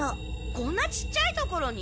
こんなちっちゃいところに？